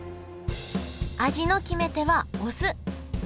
味の決め手はお酢。